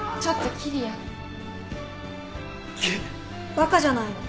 バカじゃないの。